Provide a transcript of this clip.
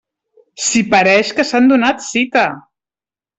Si pareix que s'han donat cita!